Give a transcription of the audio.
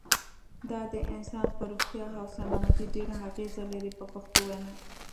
دا د انسان پر روغتیا او سلامتیا ډېره اغیزه لري په پښتو وینا.